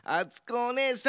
おねえさん